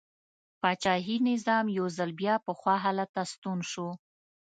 پاچاهي نظام یو ځل بېرته پخوا حالت ته ستون شو.